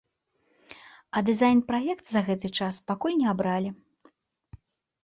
А дызайн-праект за гэты час пакуль не абралі.